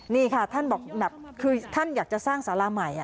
นี่ค่ะท่านบอกคือท่านอยากจะสร้างสาราใหม่